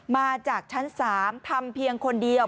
มาจากชั้น๓ทำเพียงคนเดียว